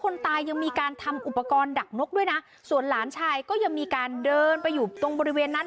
คนตายยังมีการทำอุปกรณ์ดักนกด้วยนะส่วนหลานชายก็ยังมีการเดินไปอยู่ตรงบริเวณนั้น